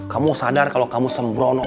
kamu sadar kalau kamu sembrono